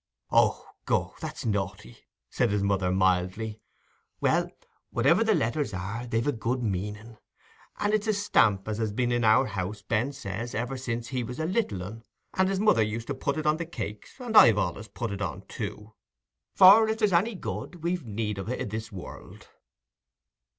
"Oh, go, that's naughty," said his mother, mildly. "Well, whativer the letters are, they've a good meaning; and it's a stamp as has been in our house, Ben says, ever since he was a little un, and his mother used to put it on the cakes, and I've allays put it on too; for if there's any good, we've need of it i' this world."